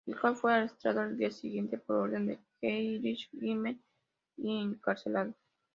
Schaal fue arrestado al día siguiente por orden de Heinrich Himmler y encarcelado.